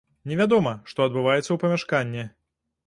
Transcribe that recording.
Невядома, што адбываецца ў памяшканні.